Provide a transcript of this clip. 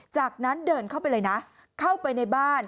จากนั้นเดินเข้าไปเลยนะเข้าไปในบ้าน